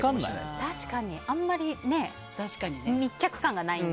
確かに、あんまり密着感がないので。